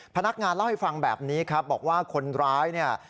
พนักงานเล่าให้ฟังแบบนี้ครับบอกว่าคนร้ายเนี่ย